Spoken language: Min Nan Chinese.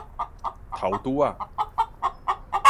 頭拄仔